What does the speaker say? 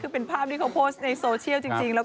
เป็นภาพที่เขาโปสต์ในโซเชียลจริง